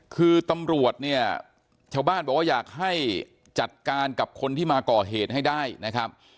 คือตำรวจเนี่ยชาวบ้านบอกว่าอยากให้จัดการกับคนที่มาก่อเหตุให้ได้นะครับ